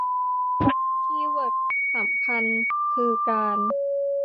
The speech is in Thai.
และคีย์เวิร์ดสำคัญคือการ